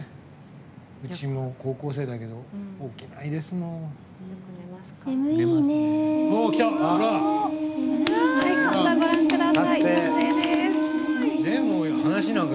うちも高校生だけど起きないですもん。